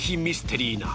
ミステリー